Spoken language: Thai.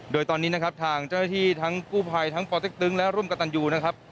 โดยตอนนี้นะครับทางเจ้าหน้าที่ทั้งกู้ภัยทั้งปเต็กตึงและร่วมกับตันยูนะครับ